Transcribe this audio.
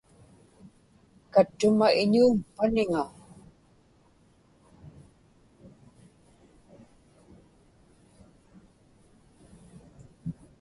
kattuma iñuum paniŋa